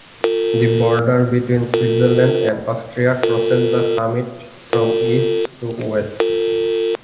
The border between Switzerland and Austria crosses the summit from East to West.